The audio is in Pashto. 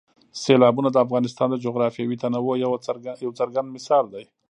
سیلابونه د افغانستان د جغرافیوي تنوع یو څرګند مثال دی.